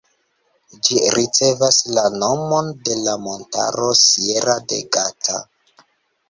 Ĝi ricevas la nomon de la montaro Sierra de Gata.